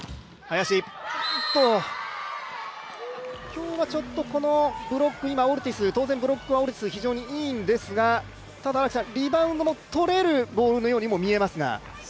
今日はちょっと、このブロック、オルティスは当然ブロックが非常にいいんですが、リバウンドもとれるボールのようにも見えますが。